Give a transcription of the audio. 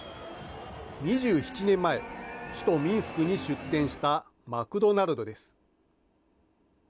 ２７年前、首都ミンスクに出店したマクドナルドです。